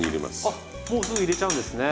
あっもうすぐ入れちゃうんですね。